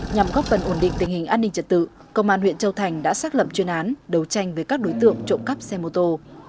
nhằm góp phần ổn định tình hình an ninh trật tự công an huyện châu thành đã xác lập chuyên án đấu tranh với các đối tượng trộm cắp xe mô tô